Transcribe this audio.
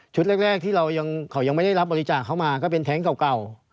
แรกที่เรายังไม่ได้รับบริจาคเข้ามาก็เป็นแท้งเก่า